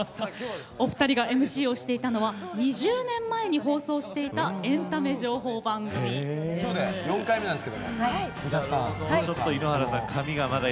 お二人がＭＣをしていたのは２０年前に放送していたエンタメ情報番組です。